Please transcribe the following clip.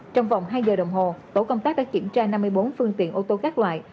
trong vòng hai giờ đồng hồ tổ công tác đã kiểm tra năm mươi bốn phương tiện ô tô các loại